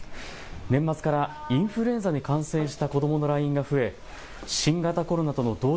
年末からインフルエンザに感染した子どもの来院が増え新型コロナとの同時